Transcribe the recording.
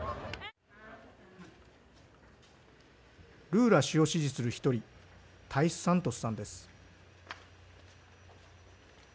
ルーラ氏を支持する１人タイス・サントスさんです。